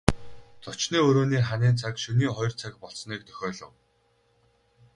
Зочны өрөөний ханын цаг шөнийн хоёр цаг болсныг дохиолов.